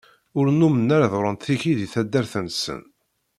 Ur nummen ara ḍerrunt-d tiki deg taddart-nsen.